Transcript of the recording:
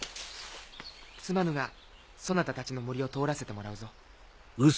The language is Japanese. すまぬがそなたたちの森を通らせてもらうぞ。